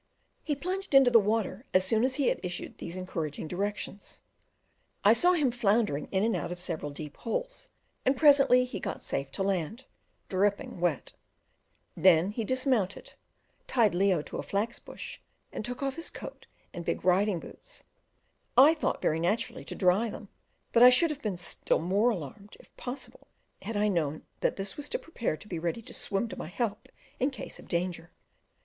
He plunged into the water as soon as he had issued these encouraging directions; I saw him floundering in and out of several deep holes, and presently he got safe to land, dripping wet; then he dismounted, tied Leo to a flax bush, and took off his coat and big riding boots, I thought, very naturally to dry them, but I should have been still more alarmed, if possible, had I known that this was to prepare to be ready to swim to my help in case of danger.